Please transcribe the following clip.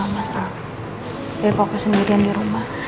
bagi papa sendiri yang di rumah